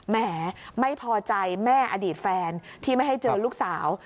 แหมไม่พอใจแม่อดีตแฟนที่ไม่ให้เจอลูกสาว